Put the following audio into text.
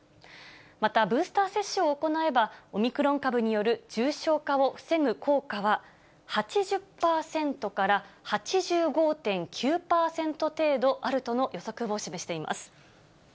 またブースター接種を行えば、オミクロン株による重症化を防ぐ効果は８０％から８５．９％程度あるとの予測を示しています。